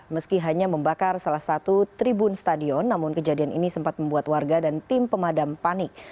meski hanya membakar salah satu tribun stadion namun kejadian ini sempat membuat warga dan tim pemadam panik